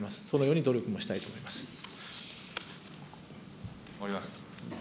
そのように努力もしたいと思います。